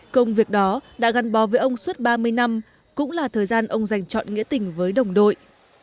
công việc đó đã gắn bó với ông suốt ba mươi năm cũng là thời gian ông dành chọn nghĩa tình với đồng đội